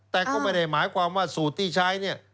แต่ก็ไม่ได้หมายความว่าสูตรที่ใช้เนี่ย